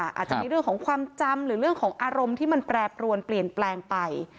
อาจจะมีเรื่องของความจำหรือเรื่องของอารมณ์ที่มันแปรปรวนเปลี่ยนแปลงไป